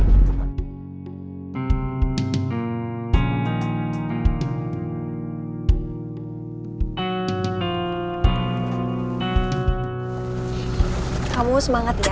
kamu semangat ya kerjanya